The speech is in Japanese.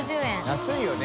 安いよね。